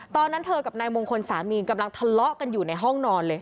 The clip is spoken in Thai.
ตอนนั้นเธอกับนายมงคลสามีกำลังทะเลาะกันอยู่ในห้องนอนเลย